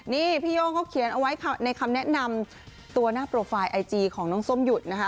นี่พี่โย่งเขาเขียนเอาไว้ในคำแนะนำตัวหน้าโปรไฟล์ไอจีของน้องส้มหยุดนะคะ